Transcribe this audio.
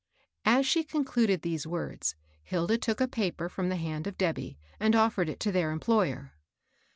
As she concluded these words, Hilda took a paper fi:om the hand of Debby, and ofifered it to their employer.